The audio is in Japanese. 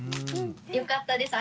よかったです。